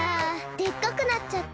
でっかくなっちゃった。